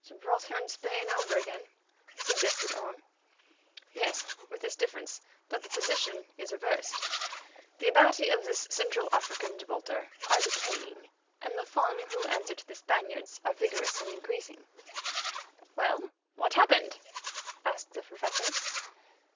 "Gibraltar and Spain over again," suggested Orme. "Yes, with this difference—that the position is reversed, the Abati of this Central African Gibraltar are decaying, and the Fung, who answer to the Spaniards, are vigorous and increasing." "Well, what happened?" asked the Professor.